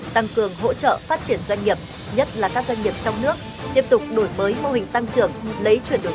tăng cường hỗ trợ phát triển doanh nghiệp nhất là các doanh nghiệp trong nước